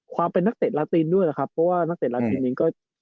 ความเป็นนักเศรษฐ์ลาตินด้วยนะครับเพราะว่านักเศรษฐ์ลาตินนี้ก็